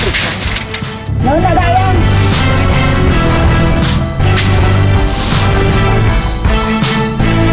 เหลือจากไหนแล้ว